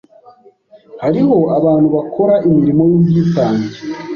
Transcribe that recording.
Hariho abantu bakora imirimo y'ubwitange